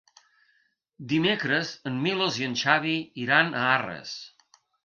Dimecres en Milos i en Xavi iran a Arres.